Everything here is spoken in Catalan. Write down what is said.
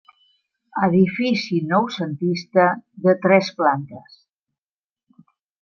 Edifici noucentista de tres plantes.